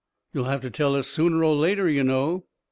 You'll have to tell us sooner or later, you know